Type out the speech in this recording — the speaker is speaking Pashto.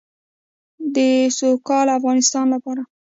د سوکاله افغانستان لپاره.